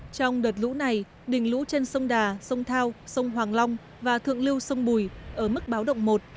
trong đợt lũ này đỉnh lũ trên sông đà sông thao sông hoàng long và thượng lưu sông bùi ở mức báo động một